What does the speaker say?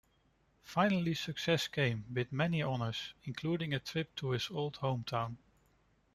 Finally success came with many honors, including a trip to his old home town.